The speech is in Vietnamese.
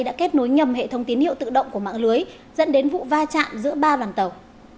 đã kết nối nhầm hệ thống tín hiệu tự động của mạng lưới dẫn đến vụ va chạm giữa ba đoàn tàu